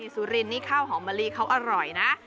สุรินนี่ข้าวหอมมะลิเขาอร่อยนะ